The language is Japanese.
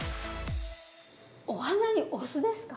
お花にお酢ですか？